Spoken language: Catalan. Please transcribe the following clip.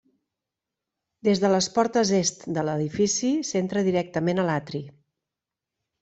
Des de les portes est de l'edifici s'entra directament a l'atri.